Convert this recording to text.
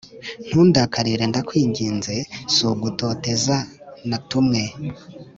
ntundakarire ndakwinginze si ugutoteza natumwe